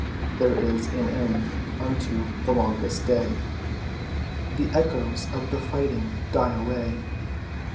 There is an end unto the longest day. The echoes of the fighting die away.